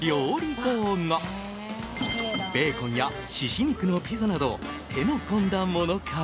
ベーコンや。など手の込んだものから。